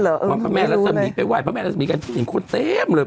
อ๋อเหรอไม่รู้เลยพระแม่และสมิทไปว่ายพระแม่และสมิทกันเห็นคนเต็มเลย